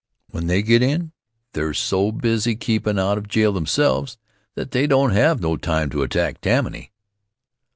When they get in, they're so busy keepin' out of jail themselves that they don't have no time to attack Tammany.